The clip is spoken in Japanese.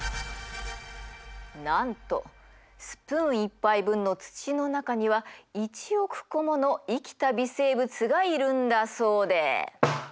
なんとスプーン１杯分の土の中には１億個もの生きた微生物がいるんだそうで。